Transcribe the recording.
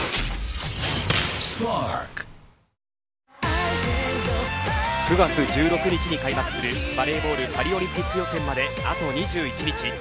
サントリー「金麦」９月１６日に開幕するバレーボールパリオリンピック予選まであと２１日。